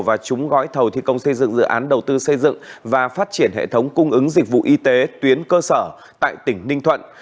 và trúng gói thầu thi công xây dựng dự án đầu tư xây dựng và phát triển hệ thống cung ứng dịch vụ y tế tuyến cơ sở tại tỉnh ninh thuận